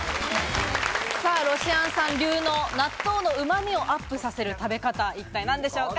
さぁ、ロシアンさん流の納豆の旨味をアップさせる食べ方、一体何でしょうか？